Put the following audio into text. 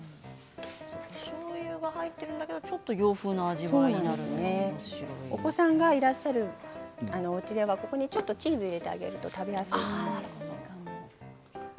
おしょうゆが入っているんですけど、ちょっと洋風のお子さんがいらっしゃるおうちはここにチーズを入れてあげると食べやすいかもしれないですね。